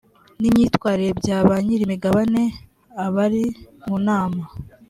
n imyitwarire bya banyirimigabane abari mu nama